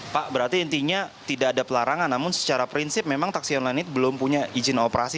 pak berarti intinya tidak ada pelarangan namun secara prinsip memang taksi online ini belum punya izin operasi